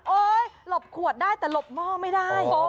โอ๊ยหลบขวดได้แต่หลบมอไม่ได้